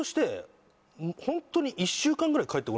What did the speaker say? ホントに。